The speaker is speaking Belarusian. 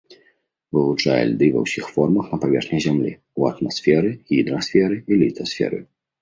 Вывучае ільды ва ўсіх формах на паверхні зямлі, у атмасферы, гідрасферы і літасферы.